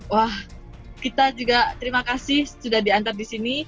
wah kita juga terima kasih sudah diantar di sini